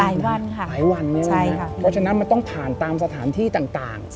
หลายวันค่ะหลายวันใช่ค่ะเพราะฉะนั้นมันต้องผ่านตามสถานที่ต่าง